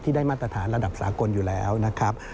ได้มาตรฐานระดับสากลอยู่แล้วนะครับ